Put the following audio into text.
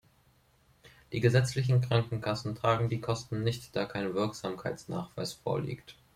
Die gesetzlichen Krankenkassen tragen die Kosten nicht, da kein Wirksamkeitsnachweis vorliegt.